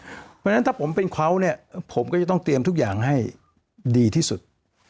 เพราะฉะนั้นถ้าผมเป็นเขาเนี่ยผมก็จะต้องเตรียมทุกอย่างให้ดีที่สุด